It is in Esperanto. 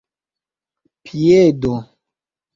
piedo